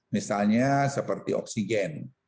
misalnya seperti oksigen